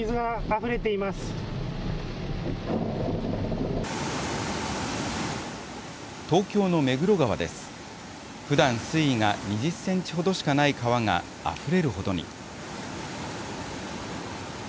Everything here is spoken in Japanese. ふだん水位が２０センチほどしかない川があふれるほどに。